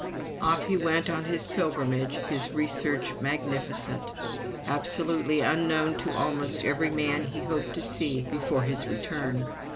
Off he went then on his pilgrimage, his Research Magnificent, absolutely unknown to almost every man he hoped to see before his return.